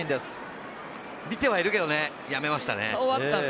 見てはいるけどね、やめましたね。